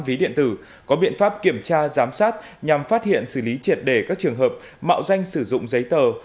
ví điện tử có biện pháp kiểm tra giám sát nhằm phát hiện xử lý triệt đề các trường hợp mạo danh sử dụng giấy tờ